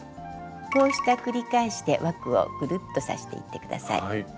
こうした繰り返しで枠をぐるっと刺していって下さい。